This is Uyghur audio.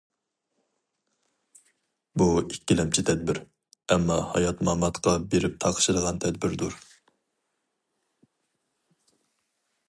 بۇ ئىككىلەمچى تەدبىر، ئەمما ھايات-ماماتقا بېرىپ تاقىشىدىغان تەدبىردۇر.